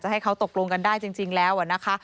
เผื่อเขายังไม่ได้งาน